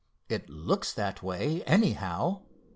"It looks that way, anyhow.